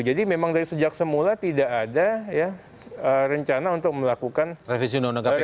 jadi memang dari sejak semula tidak ada rencana untuk melakukan revisi